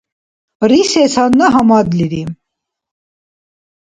Рисес гьанна гьамадлири.